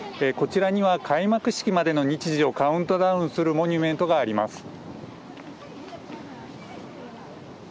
こちらには開幕式までの日時をカウントダウンするモニュメントがあります。